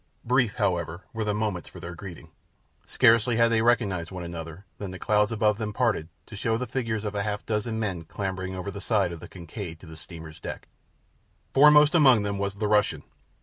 Brief, however, were the moments for their greeting. Scarcely had they recognized one another than the clouds above them parted to show the figures of a half dozen men clambering over the side of the Kincaid to the steamer's deck. Foremost among them was the Russian.